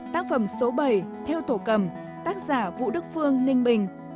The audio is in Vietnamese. tác phẩm số bảy theo tổ cầm tác giả vũ đức phương ninh bình